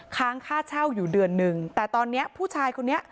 ค้างค่าเช่าอยู่เดือนหนึ่งแต่ตอนนี้ผู้ชายคนนี้